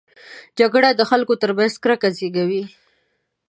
جګړه د خلکو ترمنځ کرکه زېږوي